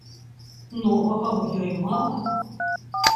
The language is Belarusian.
Новага ў ёй мала.